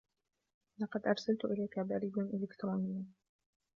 لقد أرسلتُ إليكَ بريداً إلكترونياً.